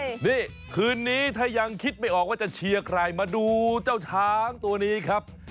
นี่คืนนี้ถ้ายังคิดไม่ออกว่าจะเชียร์ใครมาดูเจ้าช้างตัวนี้ครับ